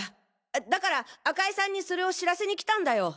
だから赤井さんにそれを知らせに来たんだよ！